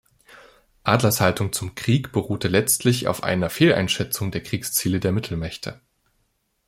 Adlers Haltung zum Krieg beruhte letztlich auf einer Fehleinschätzung der Kriegsziele der Mittelmächte.